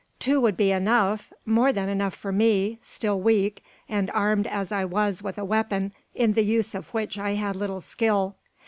Two would be enough, more than enough for me, still weak, and armed as I was with a weapon in the use of which I had little skill.